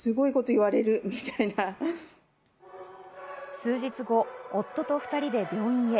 数日後、夫と２人で病院へ。